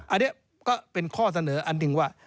อันนี้ก็เป็นข้อเสนออันหนึ่งว่า